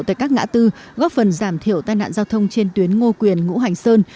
tại các ngã tư góp phần giảm thiểu tai nạn giao thông trên tuyến ngô quyền ngũ hành sơn